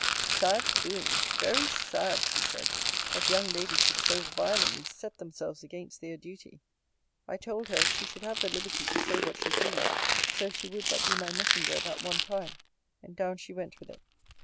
Sad doings! very sad! she said, that young ladies should so violently set themselves against their duty. I told her, she should have the liberty to say what she pleased, so she would but be my messenger that one time: and down she went with it.